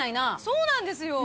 そうなんですよ。